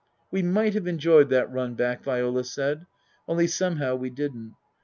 We might have enjoyed that run back, Viola said ; only somehow we didn't.